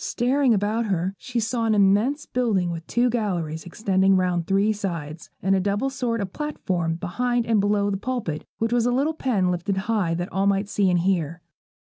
Staring about her, she saw an immense building with two galleries extending round three sides, and a double sort of platform behind and below the pulpit, which was a little pen lifted high that all might see and hear.